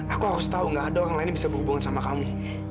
aku harus tahu gak ada orang lain yang bisa berhubungan sama kami